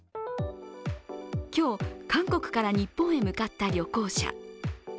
今日、韓国から日本へ向かった旅行者。